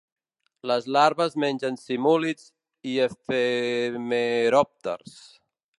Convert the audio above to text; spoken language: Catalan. Les larves mengen simúlids i efemeròpters.